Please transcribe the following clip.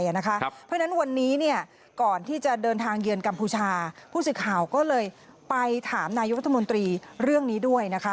เพราะฉะนั้นวันนี้ก่อนที่จะเดินทางเยือนกัมพูชาผู้สื่อข่าวก็เลยไปถามนายกรัฐมนตรีเรื่องนี้ด้วย